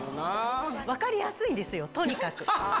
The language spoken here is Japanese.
分かりやすいですよ、とにかく。